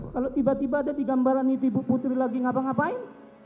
kalau tiba tiba ada di gambarannya ibu putri lagi ngapa ngapain